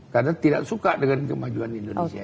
karena tidak suka dengan kemajuan indonesia